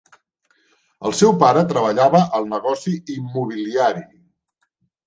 El seu pare treballava al negoci immobiliari.